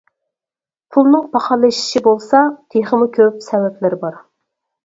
پۇلنىڭ پاخاللىشىشى بولسا تېخىمۇ كۆپ سەۋەبلىرى بار.